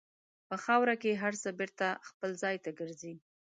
په خاوره کې هر څه بېرته خپل ځای ته ګرځي.